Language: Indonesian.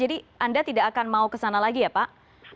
jadi anda tidak akan mau ke sana lagi ya pak